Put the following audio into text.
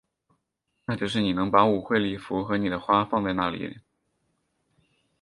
那就是你能把舞会礼服和你的花放在哪里？